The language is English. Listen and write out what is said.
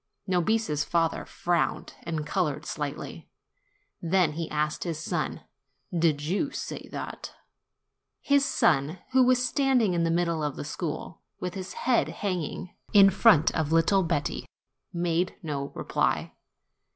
Nobis' s father frowned and colored slightly. Then he asked his son, "Did you say that?" THE CHARCOAL MAN 29 His son, who was standing in the middle of the school, with his head hanging, in front of little Betti, made no reply.